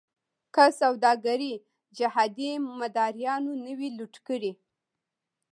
که سوداګري جهادي مداریانو نه وی لوټ کړې.